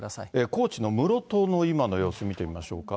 高知の室戸の今の様子見てみましょうか。